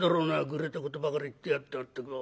ぐれたことばかり言ってやがってまったく。